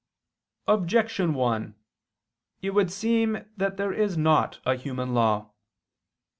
Objection 1: It would seem that there is not a human law.